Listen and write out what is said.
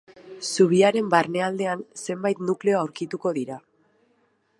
Zubiaren barnealdean zenbait nukleo aurkituko dira.